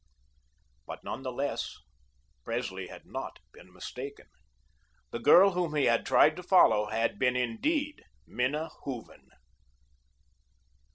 But none the less, Presley had not been mistaken. The girl whom he had tried to follow had been indeed Minna Hooven.